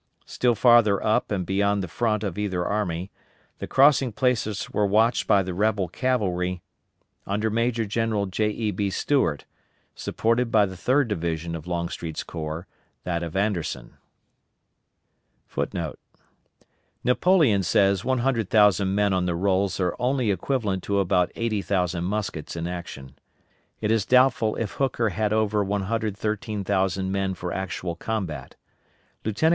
Still farther up and beyond the front of either army, the crossing places were watched by the rebel cavalry under Major General J. E. B. Stuart, supported by the Third Division of Longstreet's corps, that of Anderson. [* Napoleon says 100,000 men on the rolls are only equivalent to about 80,000 muskets in action. It is doubtful if Hooker had over 113,000 men for actual combat. Lieut.